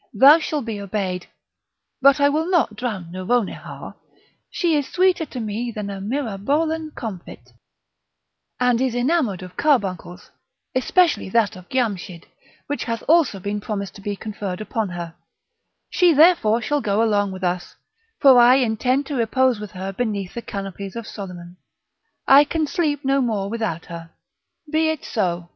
you shall be obeyed, but I will not drown Nouronihar; she is sweeter to me than a Myrabolan comfit, and is enamoured of carbuncles, especially that of Giamschid, which hath also been promised to be conferred upon her; she therefore shall go along with us, for I intend to repose with her beneath the canopies of Soliman; I can sleep no more without her." "Be it so!"